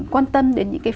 quan tâm đến những cái